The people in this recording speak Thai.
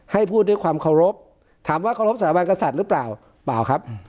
ให้พูดด้วยความเคารพถามว่าเคารพสถาบันกษัตริย์หรือเปล่าเปล่าครับ